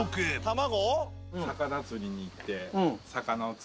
卵？